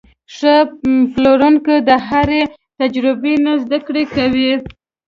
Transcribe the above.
ښه پلورونکی د هرې تجربې نه زده کړه کوي.